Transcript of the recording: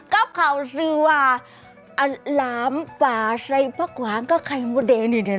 กับเขาซื้อว่าอันล้ำป่าใส่ผักหวานกับไข่มดแดงนี่